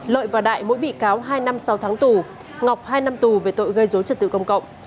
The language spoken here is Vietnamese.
lợi và đại mỗi bị cáo hai năm sáu tháng tù ngọc hai năm tù về tội gây dối trật tự công cộng